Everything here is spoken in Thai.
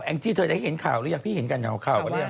แองจิเธอได้เห็นข่าวหรือยังพี่เห็นกันข่าวข่าวหรือยัง